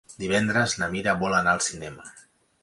Divendres na Mira vol anar al cinema.